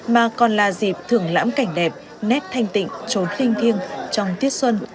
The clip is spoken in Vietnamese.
mà còn là dịp thưởng lãm cảnh đẹp nét thanh tịnh trốn linh thiêng trong tiết xuân